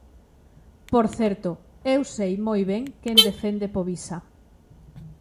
Por certo, eu sei moi ben quen defende Povisa.